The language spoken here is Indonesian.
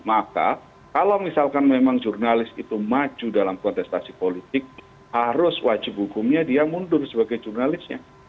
maka kalau misalkan memang jurnalis itu maju dalam kontestasi politik harus wajib hukumnya dia mundur sebagai jurnalisnya